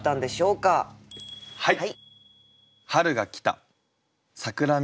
はい。